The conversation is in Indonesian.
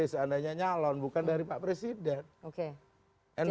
seandainya nyalon bukan dari pak presiden